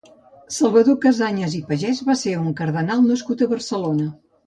Salvador Casañas i Pagès va ser un cardenal nascut a Barcelona.